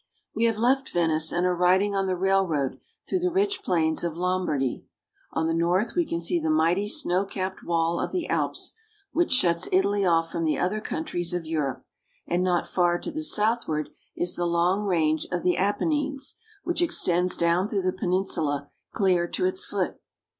WE have left Venice, and are riding on the railroad through the rich plains of Lombardy. On the north we can see the mighty snow capped wall of the Alps, which shuts Italy off from the other countries of Europe, and not far to the southward is the long range of the Apennines, which extends down through the peninsula clear to its foot.